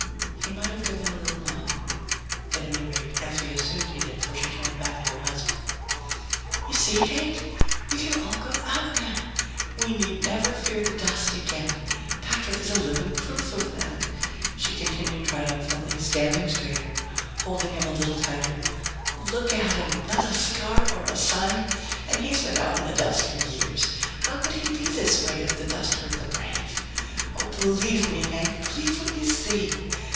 He might have given a little nod; at any rate, Effie assumed that he did, for she turned back to her husband. "You see, Hank? We can all go out now. We need never fear the dust again. Patrick is a living proof of that," she continued triumphantly, standing straighter, holding him a little tighter. "Look at him. Not a scar or a sign, and he's been out in the dust for years. How could he be this way, if the dust hurt the brave? Oh, believe me, Hank! Believe what you see.